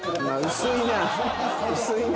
薄いな。